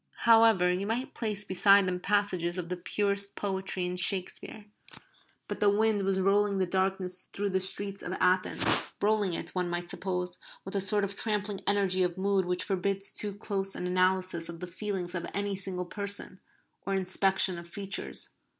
However, you might place beside them passages of the purest poetry in Shakespeare. But the wind was rolling the darkness through the streets of Athens, rolling it, one might suppose, with a sort of trampling energy of mood which forbids too close an analysis of the feelings of any single person, or inspection of features.